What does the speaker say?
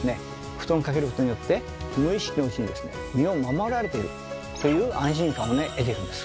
布団をかけることによって無意識のうちに身を守られているという安心感をね得てるんです。